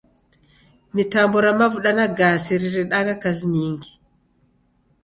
Mitambo ra mavuda na gasi riredagha kazi nyingi.